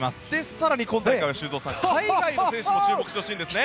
更に今大会は海外の選手にも注目してほしいですよね。